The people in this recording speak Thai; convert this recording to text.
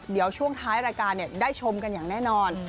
เดี๋ยวช่วงท้ายรายการได้ชมกันอย่างแน่นอน